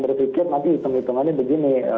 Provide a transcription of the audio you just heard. berpikir nanti hitung hitungannya begini